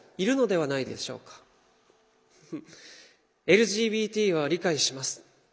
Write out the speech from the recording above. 「ＬＧＢＴは理解します」。